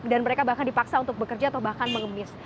dan mereka bahkan dipaksa untuk bekerja atau bahkan mengemis